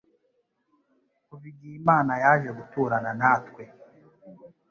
Kuva igihe Imana yaje guturana natwe,